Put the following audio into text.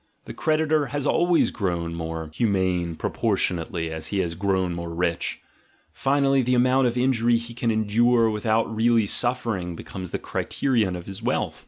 The creditor has always grown more humane proportion ately as he has grown more rich; finally the amount of injury he can endure without really suffering becomes the criterion of his wealth.